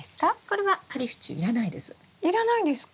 要らないんですか？